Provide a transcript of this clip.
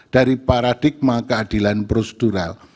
dari paradigma keadilan prosedural